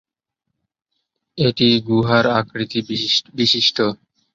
এটি গুহার আকৃতিবিশিষ্ট।